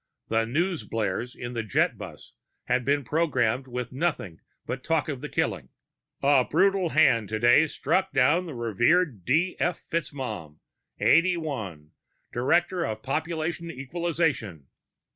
The newsblares in the jetbus had been programmed with nothing but talk of the killing. "A brutal hand today struck down the revered D. F. FitzMaugham, eighty one, Director of Population Equalization.